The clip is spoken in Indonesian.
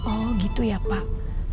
oh gitu ya pak